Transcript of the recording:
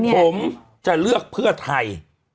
ผมจะเลือกเพื่อไทย